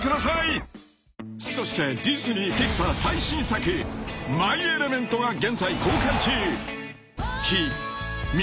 ［そしてディズニー・ピクサー最新作『マイ・エレメント』が現在公開中］